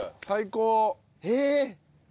最高！